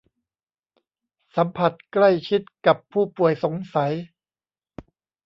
สัมผัสใกล้ชิดกับผู้ป่วยสงสัย